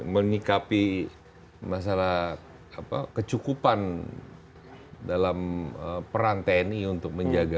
menyikapi masalah kecukupan dalam peran tni untuk menjaga